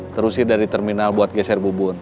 terusir dari terminal buat geser bubun